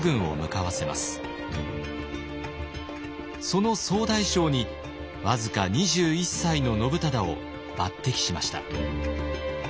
その総大将に僅か２１歳の信忠を抜擢しました。